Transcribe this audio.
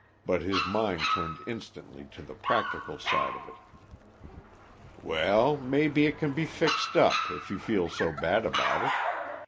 But his mind turned instantly to the practical side of it. "Well maybe it can be fixed up, if you feel so bad about it.